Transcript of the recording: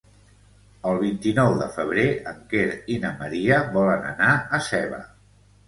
El vint-i-nou de febrer en Quer i na Maria volen anar a Seva.